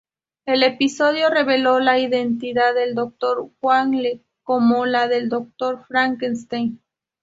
El episodio revelo la identidad del Dr. Whale como la del Dr. Frankenstein.